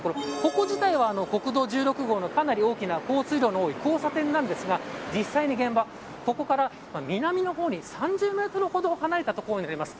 ここ自体は国道１６号のかなり大きな交通量の多い交差点なんですが、実際に現場はここから南の方に３０メートルほど離れた所にあります。